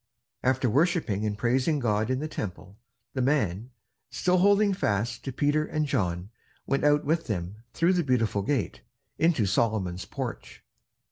After worshipping and praising God in the Temple, the man, still holding fast to Peter and John, went out with them through the Beautiful Gate, into Solomon's Porch.